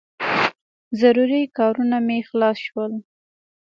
ضروري کارونه مې خلاص شول.